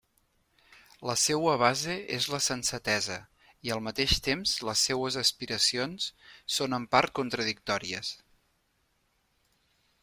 La seua base és la sensatesa i al mateix temps les seues aspiracions són en part contradictòries.